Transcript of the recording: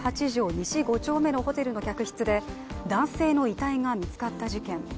西５丁目のホテルの客室で男性の遺体が見つかった事件。